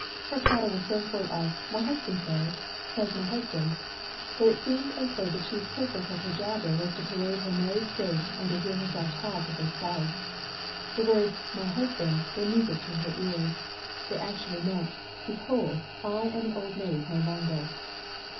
Her prattle was so full of, "My husband says, says my husband," that it seemed as though the chief purpose of her jabber was to parade her married state and to hear herself talk of her spouse. The words, "My husband," were music to her ears. They actually meant, "Behold, I am an old maid no longer!"